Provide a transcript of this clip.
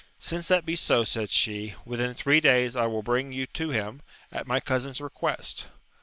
Since that be so, said she, within three days I will bring you to him, at my cousin's request.